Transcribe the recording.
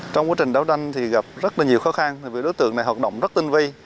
trong quá trình đấu tranh thì gặp rất là nhiều khó khăn vì đối tượng này hoạt động rất tinh vi